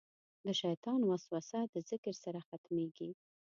د شیطان وسوسه د ذکر سره ختمېږي.